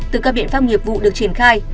từ các biện pháp nghiệp vụ được triển khai